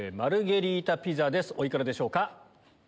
お幾らでしょうか？